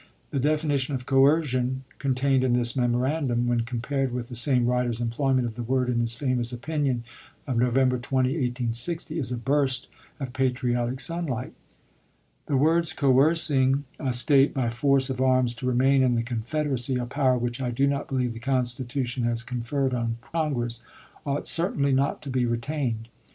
'" The definition of "coercion" contained in this memorandum, when compared with the same writer's employment of the word in his famous opinion of November 20 1860, is a burst of patriotic sunlight: The words " coercing a State by force of arms to remain in the confederacy — a power which I do not believe the Constitution has conferred on Congress" — ought certainly not to be retained.